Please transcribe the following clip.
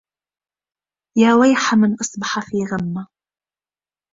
يا ويح من أصبح في غمة